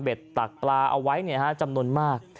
เบ็ดตักปลาเอาไว้เนี่ยฮะจำนวนมาก